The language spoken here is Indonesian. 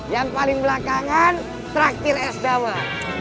yang paling belakangan traktir es gawat